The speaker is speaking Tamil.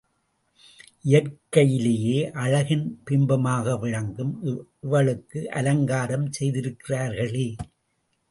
இயற்கையிலேயே அழகின் பிம்பமாக விளங்கும் இவளுக்கு அலங்காரம் செய்திருக்கிறார்களே!